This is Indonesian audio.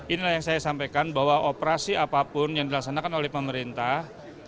inilah yang saya sampaikan bahwa operasi apapun yang dilaksanakan oleh pemerintah